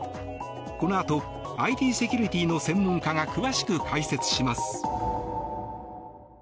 このあとＩＴセキュリティーの専門家が詳しく解説します。